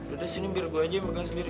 udah sini biar gue aja yang pegang sendiri